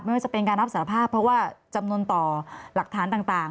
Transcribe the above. ไม่ว่าจะเป็นการรับสารภาพเพราะว่าจำนวนต่อหลักฐานต่าง